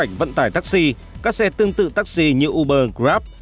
các xe tương tự taxi như uber grab